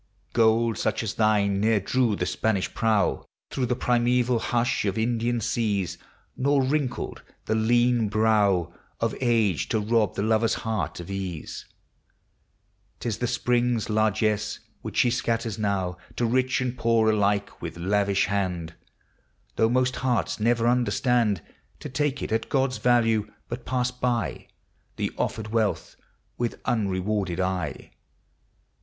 Gold such as thine ne'er drew the Spanish prow Through the primeval hush of Indian seas; Nor wrinkled the lean brow Of age to rob the lover's heart of ease. 9 T is the spring's largess, which she scatters now To rich and poor alike, with lavish hand; Though most hearts never understand To take it at God's value, but pass by The offered wealth with unrewarded eye.